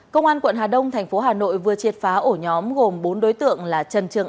công an quận hà đông thành phố hà nội vừa triệt phá ổ nhóm gồm bốn đối tượng là trần trường